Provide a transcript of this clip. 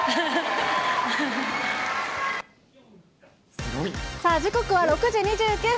すごい！時刻は６時２９分。